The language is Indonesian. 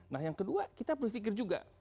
nah yang kedua kita berpikir juga